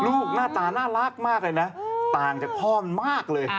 หน้าตาน่ารักมากเลยนะต่างจากพ่อมากเลย